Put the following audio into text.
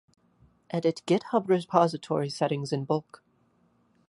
Edit GitHub repository settings in bulk